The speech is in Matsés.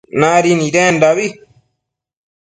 Nadi nidendabi